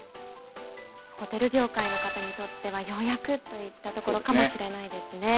ホテル業界の方にとってはようやくといったところかもしれないですね。